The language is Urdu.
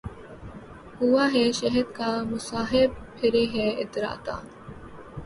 ہوا ہے شہہ کا مصاحب پھرے ہے اتراتا